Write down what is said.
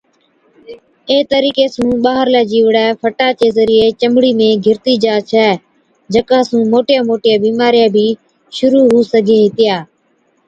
اي طرِيقي سُون ٻارهلَي جِيوڙَي فٽا چي ذريعي چمڙِي ۾ گھِرتِي جا ڇَي، جڪا سُون موٽِيا موٽِيا بِيمارِيا بِي شرُوع هُو سِگھي هِتِيا۔